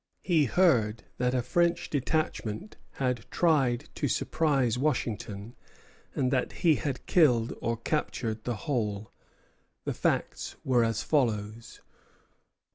He heard that a French detachment had tried to surprise Washington, and that he had killed or captured the whole. The facts were as follows.